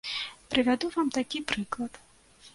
Прывяду вам такі прыклад.